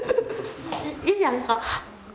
いいやんか。